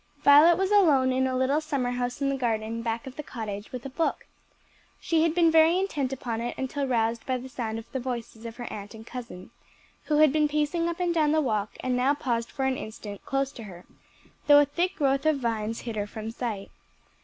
Violet was alone in a little summer house in the garden, back of the cottage, with a book. She had been very intent upon it until roused by the sound of the voices of her aunt and cousin, who had been pacing up and down the walk and now paused for an instant close to her, though a thick growth of vines hid her from sight.